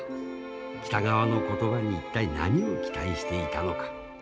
北川の言葉に一体何を期待していたのか。